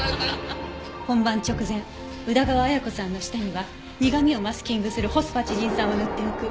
本番直前宇田川綾子さんの舌には苦味をマスキングするホスファチジン酸を塗っておく。